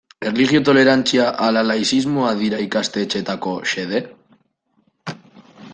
Erlijio tolerantzia ala laizismoa dira ikastetxeetako xede?